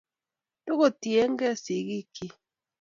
Togo tiegei sigik chik